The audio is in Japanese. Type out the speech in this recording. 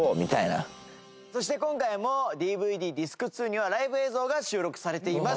そして今回もＤＶＤＤＩＳＣ２にはライブ映像が収録されています。